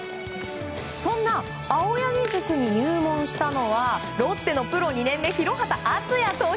そんな青柳塾に入門したのはロッテのプロ２年目廣畑敦也投手。